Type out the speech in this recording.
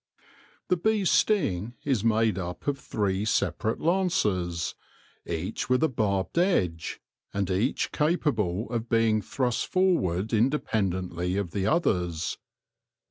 The bee's sting is made up of three separate lances, each with a barbed edge, and each capable of being thrust forward independently of the others.